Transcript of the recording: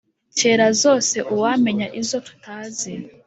cyera zose uwamenya izo tutazi